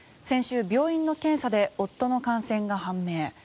先週、病院の検査で夫の感染が判明。